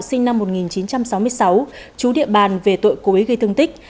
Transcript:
sinh năm một nghìn chín trăm sáu mươi sáu chú địa bàn về tội cối gây thương tích